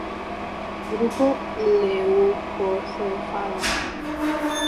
Grupo "leucocephala".